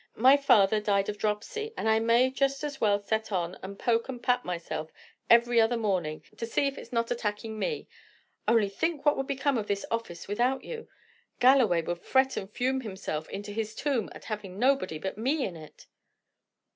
"My father died of dropsy; and I may just as well set on, and poke and pat at myself every other morning, to see if it's not attacking me. Only think what would become of this office without you! Galloway would fret and fume himself into his tomb at having nobody but me in it."